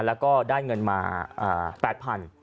แล้วก็ได้เงินมา๘๐๐๐บาท